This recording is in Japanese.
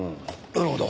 なるほど。